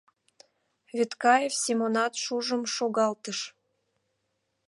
— Вӱдкаев Семонат шужым шогалтыш.